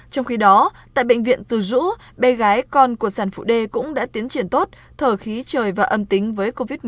trong khi đó tại bệnh viện từ dũ bé gái con của sản phụ đê cũng đã tiến triển tốt thở khí trời và âm tính với covid một mươi chín